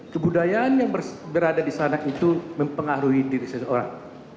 kebudayaan yang berada di sana itu mempengaruhi diri seseorang